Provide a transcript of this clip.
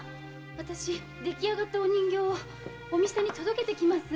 私出来上がった人形をお店に届けてきます。